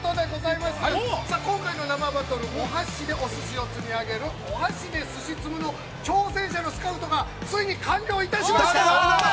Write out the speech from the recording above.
今回の生バトルお箸でお寿司を積みあげるお箸で寿司積むの挑戦者のスカウトがついに完了いたしました。